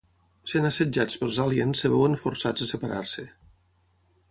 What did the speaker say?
Sent assetjats pels àliens es veuen forçats a separar-se.